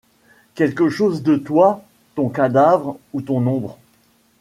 Quelque chose de toi, ton cadavre ou ton ombre